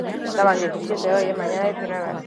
Golak etxeko taldea animatu du.